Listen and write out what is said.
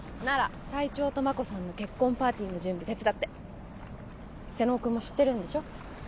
なら隊長と真子さんの結婚パーティーの準備手伝って瀬能君も知ってるんでしょ